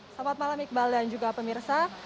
selamat malam iqbal dan juga pemirsa